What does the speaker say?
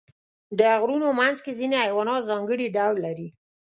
د غرونو منځ کې ځینې حیوانات ځانګړي ډول لري.